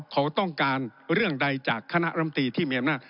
เขาต้องการเรื่องใดจากคณะรำตีที่มีอำนาจ